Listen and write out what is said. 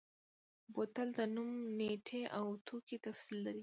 بوتل د نوم، نیټې او توکي تفصیل لري.